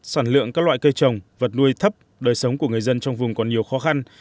sản lượng các loại cây trồng vật nuôi thấp đời sống của người dân trong vùng còn nhiều khó khăn